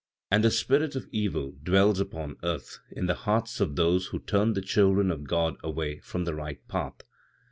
"And the Spirit of Evil dwells upon earth, in the hearts of those who turn the children of God away from the right path.